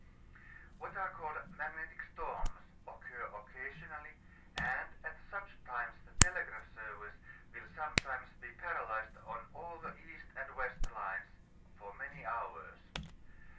What are called magnetic storms occur occasionally, and at such times the telegraph service will sometimes be paralyzed on all the east and west lines for many hours.